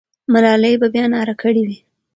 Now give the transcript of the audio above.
ملالۍ به بیا ناره کړې وي.